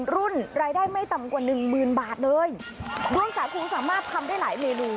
รุ่นรายได้ไม่ต่ำกว่าหนึ่งหมื่นบาทเลยด้วยสาคูสามารถทำได้หลายเมนู